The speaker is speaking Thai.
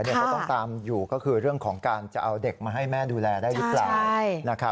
เขาต้องตามอยู่ก็คือเรื่องของการจะเอาเด็กมาให้แม่ดูแลได้หรือเปล่า